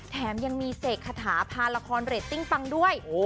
แถมยังมีเสกคาถาพาละครเรตติ้งปังด้วย